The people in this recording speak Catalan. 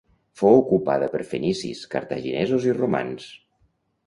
Fou ocupada per fenicis, cartaginesos i romans.